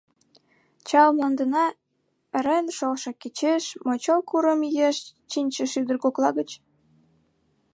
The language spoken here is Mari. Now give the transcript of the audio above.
Чал Мландына, ырен шолшо кечеш, Мочол курым иеш чинче шӱдыр кокла гыч?..